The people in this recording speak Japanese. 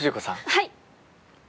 はい！